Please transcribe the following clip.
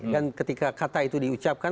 dan ketika kata itu diucapkan